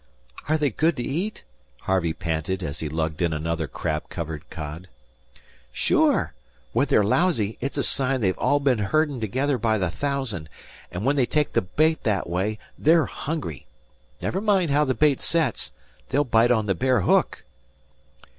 "Are they good to eat?" Harvey panted, as he lugged in another crab covered cod. "Sure. When they're lousy it's a sign they've all been herdin' together by the thousand, and when they take the bait that way they're hungry. Never mind how the bait sets. They'll bite on the bare hook."